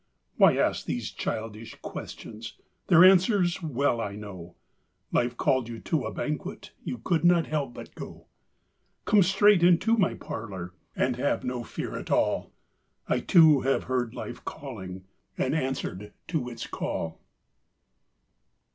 Why ask these childish questions— Their answers well I know: Life called you to a banquet, You could not help but go. Come straight into my parlor And have no fear at all— I too have heard life calling, And answered to its call.